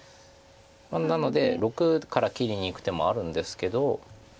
なので⑥から切りにいく手もあるんですけど。